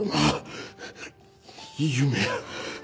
夢？